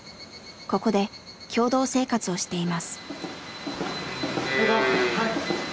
ここで共同生活をしています。